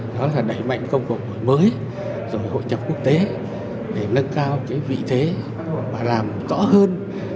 đó là đẩy mạnh công cộng mới rồi hội chấp quốc tế để nâng cao cái vị thế và làm tỏa hơn